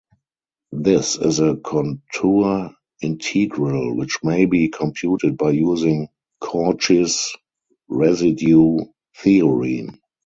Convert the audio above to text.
This is a contour integral which may be computed by using Cauchy's residue theorem.